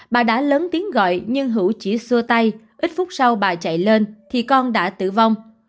bà đã lớn tiếng gọi nhưng hữu chỉ xua tay ít phút sau bà chạy lên thì con đã tử vong